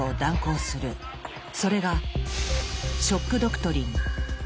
それが「ショック・ドクトリン」。